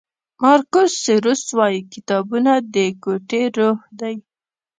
مارکوس سیسرو وایي کتابونه د کوټې روح دی.